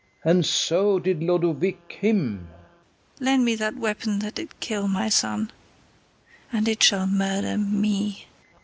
And so did Lodowick him. KATHARINE. Lend me that weapon that did kill my son, And it shall murder me. FERNEZE.